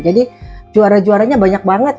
jadi juara juaranya banyak banget